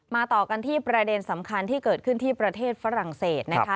ต่อกันที่ประเด็นสำคัญที่เกิดขึ้นที่ประเทศฝรั่งเศสนะคะ